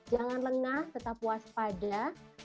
jangan lengah tetap puas pada